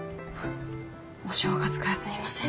お正月からすいません。